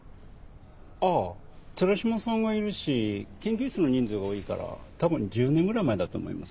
あぁ寺島さんがいるし研究室の人数が多いから多分１０年ぐらい前だと思います。